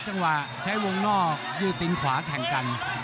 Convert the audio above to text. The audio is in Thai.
จังหวะใช้วงนอกยืดตินขวาแข่งกัน